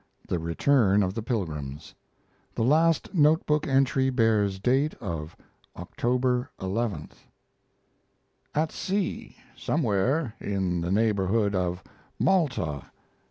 THE RETURN OF THE PILGRIMS The last note book entry bears date of October 11th: At sea, somewhere in the neighborhood of Malta.